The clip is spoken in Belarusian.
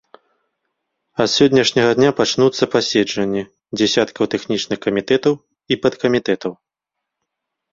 А з сённяшняга дня пачнуцца паседжанні дзясяткаў тэхнічных камітэтаў і падкамітэтаў.